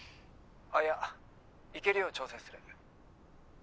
あいや行けるよう調整する。